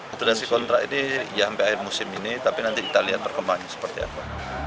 atudensi kontrak ini ya sampai akhir musim ini tapi nanti kita lihat perkembangannya seperti apa